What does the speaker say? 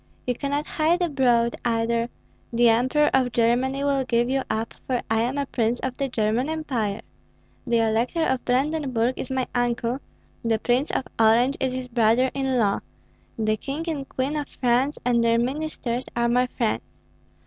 You cannot hide abroad, either: the Emperor of Germany will give you up, for I am a prince of the German Empire; the Elector of Brandenburg is my uncle; the Prince of Orange is his brother in law; the King and Queen of France and their ministers are my friends.